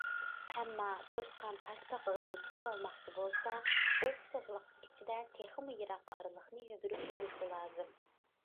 ئەمما توشقان تاشپاقىغا يېتىشىۋالماقچى بولسا، ئوخشاش ۋاقىت ئىچىدە تېخىمۇ يىراق ئارىلىقنى يۈگۈرۈپ بولۇشى لازىم.